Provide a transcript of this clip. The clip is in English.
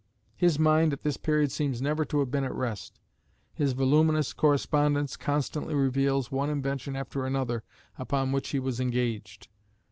His mind at this period seems never to have been at rest. His voluminous correspondence constantly reveals one invention after another upon which he was engaged.